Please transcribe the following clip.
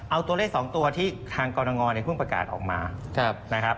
เอาตัวเลข๒ตัวที่ทางกรณงเพิ่งประกาศออกมานะครับ